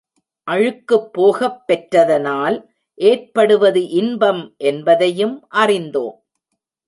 அழுக்குப் போகப் பெற்றதனால் ஏற்படுவது இன்பம் என்பதையும் அறிந்தோம்.